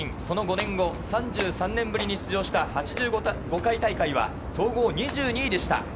その５年後３３年ぶりに出場した８５回大会は総合２２位でした。